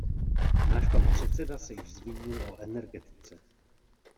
Náš pan předseda se již zmínil o energetice.